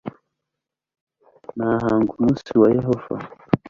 mahanga Umunsi wa Yehova